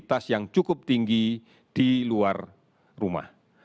kualitas yang cukup tinggi di luar rumah